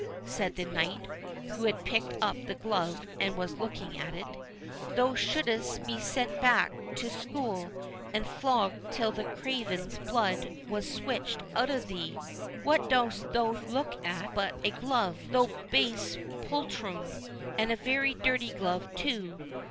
said the knight, who had picked up the glove, and was looking at it—"thou shouldst be sent back to school, and flogged till the craven's blood was switched out of thee—What dost thou look at but a glove, thou base poltroon, and a very dirty glove, too?